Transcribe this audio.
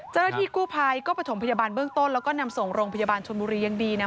เจ้าหน้าที่กู้ภัยก็ประถมพยาบาลเบื้องต้นแล้วก็นำส่งโรงพยาบาลชนบุรียังดีนะ